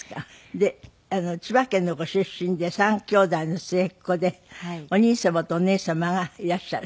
で千葉県のご出身で３兄妹の末っ子でお兄様とお姉様がいらっしゃる？